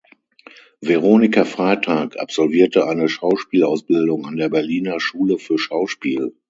Veronika Freitag absolvierte eine Schauspiel-Ausbildung an der Berliner Schule für Schauspiel.